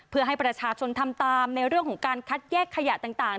เพื่อให้ประชาชนทำตามในเรื่องของการคัดแยกขยะต่าง